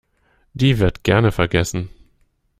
Die wird gerne vergessen.